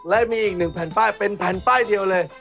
และมีอีก๑แผ่นป้ายเป็นแผ่นป้ายเดียวเลย